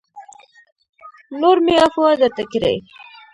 نور مې عفوه درته کړې